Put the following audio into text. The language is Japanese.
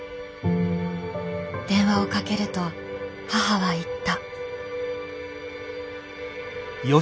電話をかけると母は言った。